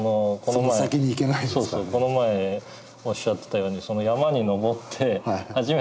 この前おっしゃってたようにまず登ってみないとね。